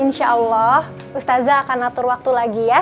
insyaallah ustad akan atur waktu lagi ya